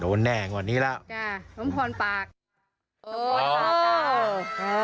โดนแน่งวันนี้แล้วชมพรปาก